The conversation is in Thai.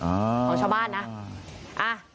ของชาวบ้านนะ